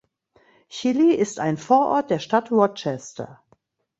Chili ist ein Vorort der Stadt Rochester.